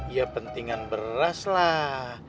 ya pentingan beraslah